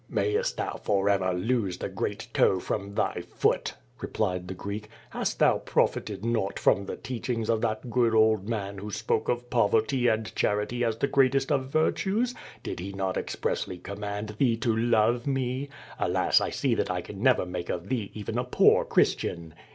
"Mayest thou forever lose the great toe from thy foot!" replied the Greek. "Hast thou profited nought from the teachings of that good old man who spoke of poverty and QUO VADI8. 169 charity as the greatest of virtues. Did he not expressly com mand thee to love me? Alas, I see that I can never make of thee even a poor Christian.